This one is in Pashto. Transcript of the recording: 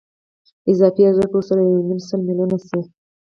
اضافي ارزښت به ورسره یو نیم سل میلیونه شي